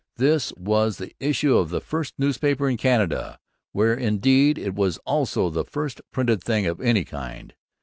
This was the issue of the first newspaper in Canada, where, indeed, it was also the first printed thing of any kind.